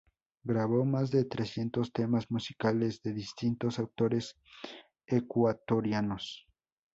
Grabó más de trescientos temas musicales de distintos autores ecuatorianos.